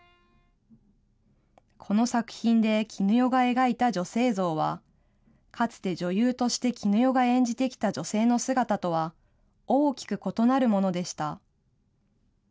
この作品で絹代が描いた女性像は、かつて女優として絹代が演じてきた女性の姿とは大きく異なるものでした。